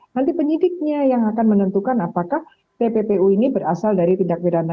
nanti penyidiknya yang akan menentukan apakah pppu ini berasal dari tindak beda nantinya